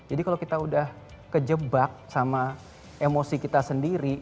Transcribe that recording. jadi kalau kita udah kejebak sama emosi kita sendiri